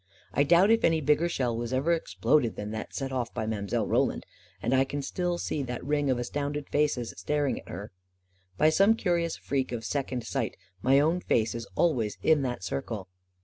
I doubt if any bigger shell was ever exploded than that set off by Mile. Roland, and I can still see that ring of astounded faces staring at her. By some curious freak of second sight, my own face is always in that circle